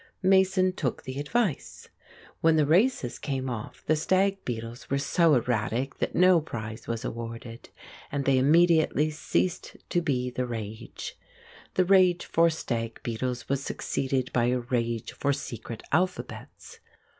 Mason took the advice. When the races came off, the stag beetles were so erratic that no prize was awarded, and they immediately ceased to be the rage. The rage for stag beetles was succeeded by a rage for secret alphabets.